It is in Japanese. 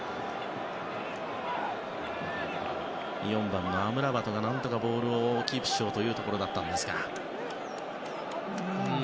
４番のアムラバトが何とかボールをキープしようというところだったんですが。